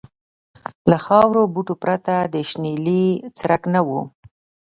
له خارو بوټو پرته د شنیلي څرک نه و.